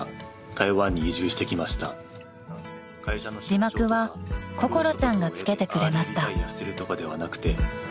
［字幕は心ちゃんが付けてくれました］